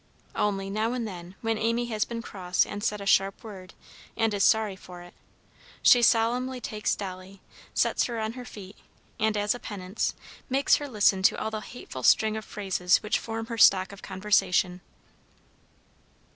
Only, now and then, when Amy has been cross and said a sharp word, and is sorry for it, she solemnly takes Dolly, sets her on her feet, and, as a penance, makes herself listen to all the hateful string of phrases which form her stock of conversation.